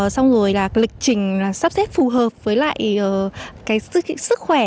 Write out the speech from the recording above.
xong rồi lịch trình sắp xếp phù hợp với lại sức khỏe